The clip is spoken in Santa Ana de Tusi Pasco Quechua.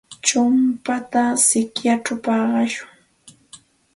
Chumpata sikyachaw paqashun.